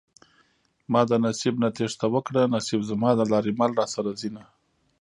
ما د نصيب نه تېښته وکړه نصيب زما د لارې مل راسره ځينه